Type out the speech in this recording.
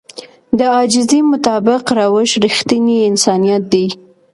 د عاجزي مطابق روش رښتينی انسانيت دی.